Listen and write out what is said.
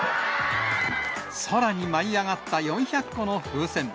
空に舞い上がった４００個の風船。